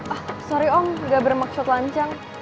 ah sorry om gak bermaksud lancang